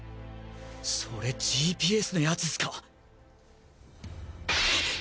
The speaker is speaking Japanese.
それＧＰＳのやつっスか？